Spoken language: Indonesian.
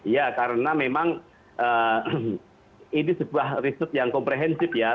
ya karena memang ini sebuah riset yang komprehensif ya